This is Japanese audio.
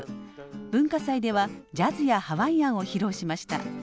文化祭ではジャズやハワイアンを披露しました。